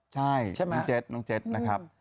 ใช่น้องเจ็ดนะครับ